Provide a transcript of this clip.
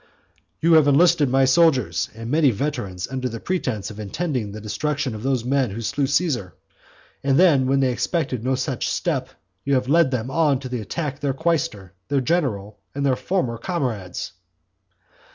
"You have enlisted my soldiers, and many veterans, under the pretence of intending the destruction of those men who slew Caesar; and then, when they expected no such step, you have led them on to attack their quaestor, their general, and their former comrades!"